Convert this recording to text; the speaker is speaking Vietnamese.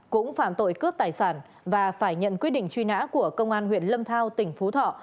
cũng phạm tội cướp tài sản và phải nhận quyết định truy nã của công an huyện lâm thao tỉnh phú thọ